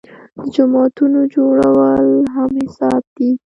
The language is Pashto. د جوماتونو جوړول هم حساب دي.